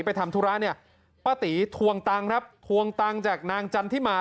ทำธุระเนี่ยป้าตีทวงตังค์ครับทวงตังค์จากนางจันทิมา